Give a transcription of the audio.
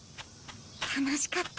楽しかった。